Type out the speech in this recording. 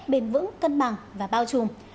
bền vững cân bằng và bao trùm